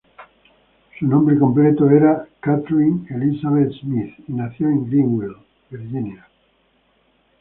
Su nombre completo era Kathryn Elizabeth Smith, y nació en Greenville, Virginia.